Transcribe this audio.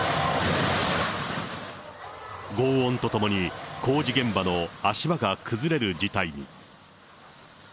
ごう音とともに工事現場の足場が崩れる事態に。